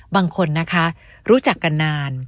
บางคนนะคะรู้จักกันนาน